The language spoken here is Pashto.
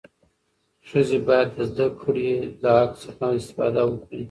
ښځې باید د زدهکړې له حق څخه استفاده وکړي.